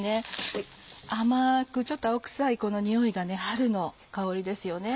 甘くちょっと青くさいこのにおいが春の香りですよね。